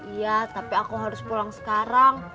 iya tapi aku harus pulang sekarang